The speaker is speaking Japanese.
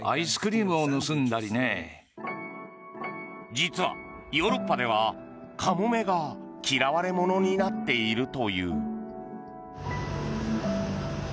実は、ヨーロッパではカモメが嫌われ者になっているという。